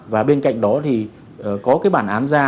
và bên cạnh đó thì có cái bản án ra